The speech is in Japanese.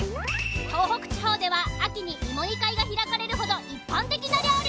東北地方では秋に芋煮会が開かれるほど一般的な料理。